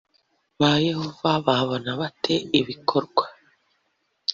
ba Yehova babona bate ibikorwa